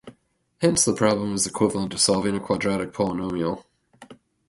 Hence the problem is equivalent to solving a quadratic polynomial.